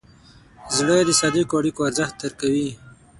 زړه د صادقو اړیکو ارزښت درک کوي.